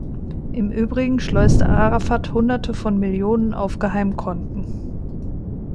Im Übrigen schleuste Arafat Hunderte von Millionen auf Geheimkonten.